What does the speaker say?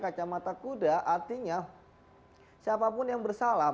kacamata kuda artinya siapapun yang bersalah